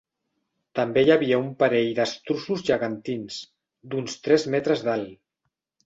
També hi havia un parell d'estruços gegantins, d'uns tres metres d'alt.